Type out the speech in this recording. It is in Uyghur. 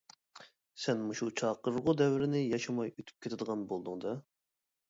سەن مۇشۇ چاقىرغۇ دەۋرىنى ياشىماي ئۆتۈپ كېتىدىغان بولدۇڭ دە.